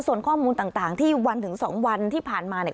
ส่วนข้อมูลต่างที่วันถึง๒วันที่ผ่านมาเนี่ย